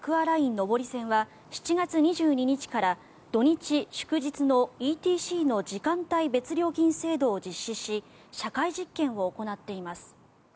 上り線は７月２２日から土日祝日の、ＥＴＣの時間帯別料金制度を実施し社会実験を行っています。